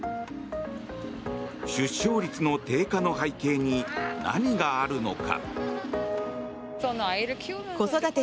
出生率の低下の背景に何があるのか。